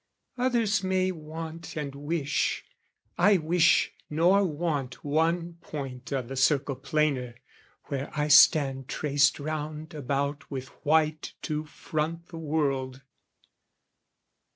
Others may want and wish, I wish nor want One point o' the circle plainer, where I stand Traced round about with white to front the world.